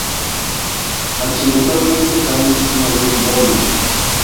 Accidentalmente, cae encima de un bólido.